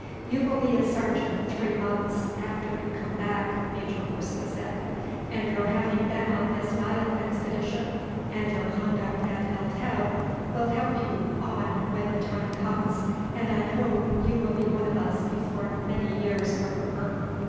"You will be a sergeant three months after you come back," Major Horsley said; "and your having been on this Nile expedition, and your conduct at El Teb, will help you on when the time comes, and I hope you will be one of us before many years are over."